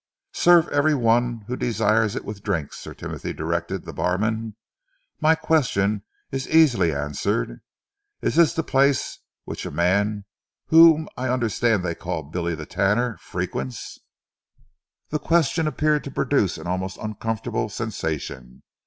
"Serve every one who desires it with drinks," Sir Timothy directed the barman. "My question is easily answered. Is this the place which a man whom I understand they call Billy the Tanner frequents?" The question appeared to produce an almost uncomfortable sensation.